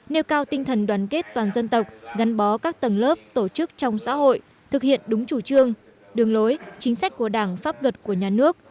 nêu cao tinh thần đoàn kết toàn dân tộc gắn bó các tầng lớp tổ chức trong xã hội thực hiện đúng chủ trương đường lối chính sách của đảng pháp luật của nhà nước